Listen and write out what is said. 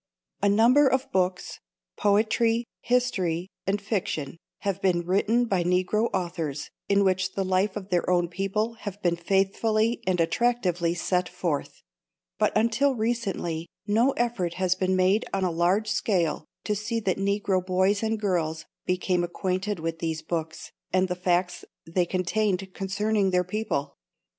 A number of books poetry, history and fiction have been written by Negro authors in which the life of their own people has been faithfully and attractively set forth; but until recently no effort has been made on a large scale to see that Negro boys and girls became acquainted with these books and the facts they contained concerning their people.